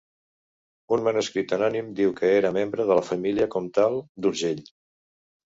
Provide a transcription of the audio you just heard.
Un manuscrit anònim diu que era membre de la família comtal d'Urgell.